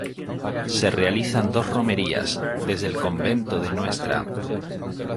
Se realizan dos romerías; desde el convento de Nra.